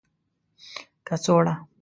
کڅوړه